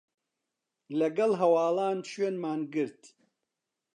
لەگەڵ هەواڵان شوێنمان گرت